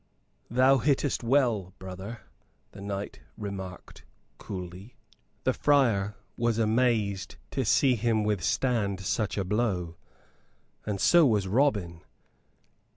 "Thou hittest well, brother," the knight remarked, coolly. The friar was amazed to see him withstand such a blow, and so was Robin.